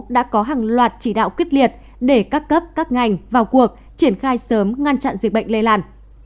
đã có hàng loạt chỉ đạo quyết liệt để các cấp các ngành vào cuộc triển khai sớm ngăn chặn dịch bệnh lây lan